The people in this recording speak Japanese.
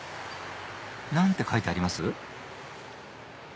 何て書いてあります？